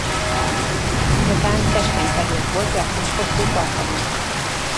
Nyakán keskeny fehér foltja és hosszú farka van.